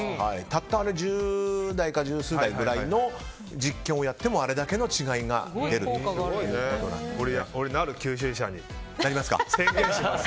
たった十数台ぐらいの実験をやってもあれだけの違いが出るということなんです。